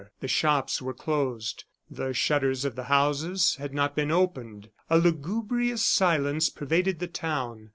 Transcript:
The shops were closed; the shutters of the houses had not been opened. A lugubrious silence pervaded the town.